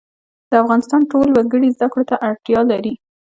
د افغانستان ټول وګړي زده کړو ته اړتیا لري